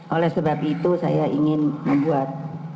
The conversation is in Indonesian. oleh sebab itu saya ingin membuat